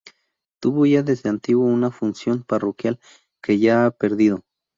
Tuvo ya desde antiguo una función parroquial que ya ha perdido.